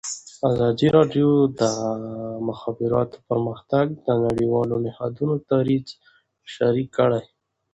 ازادي راډیو د د مخابراتو پرمختګ د نړیوالو نهادونو دریځ شریک کړی.